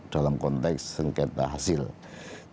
dalam konteks sengketa hasil